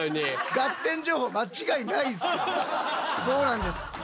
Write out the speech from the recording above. そうなんです。